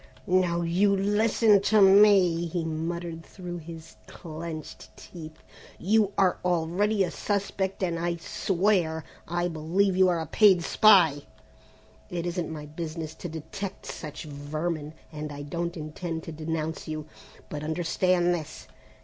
"Now you listen to me," he muttered, through his clenched teeth. "You are already a suspect and I swear I believe you are a paid spy! It isn't my business to detect such vermin, and I don't intend to denounce you, but understand this!